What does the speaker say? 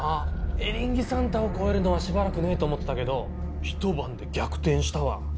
「エリンギサンタ」を超えるのはしばらくねえと思ってたけどひと晩で逆転したわ。